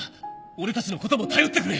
俺たちのことも頼ってくれ！